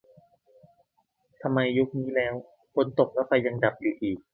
"ทำไมยุคนี้แล้ว ฝนตกแล้วยังไฟดับอยู่อีก"